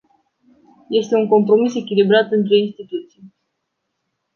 E un compromis echilibrat între instituții.